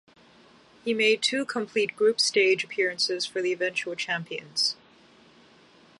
He made two complete group stage appearances for the eventual champions.